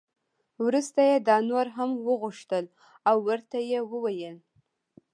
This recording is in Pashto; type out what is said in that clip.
وروسته یې دا نور هم وغوښتل او ورته یې وویل.